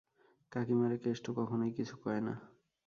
কাকীমারে কেষ্ট কখনোই কিছু কয়না।